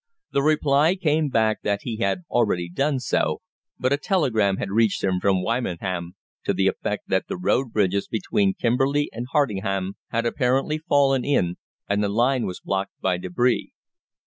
The reply came back that he had already done so, but a telegram had reached him from Wymondham to the effect that the road bridges between Kimberley and Hardingham had apparently fallen in, and the line was blocked by débris.